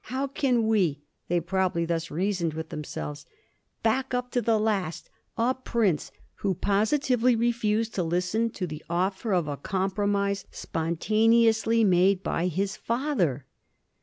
How can we — they probably thus reasoned with themselves — back up to the last a prince who positively refused to listen to the offer of a compromise spontaneously made by his father